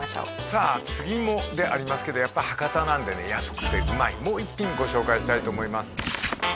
さあ次もでありますけどやっぱ博多なんでね安くてうまいもう一品ご紹介したいと思います